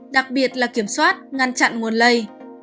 đặc biệt là kiểm soát ngăn chặn nguồn lây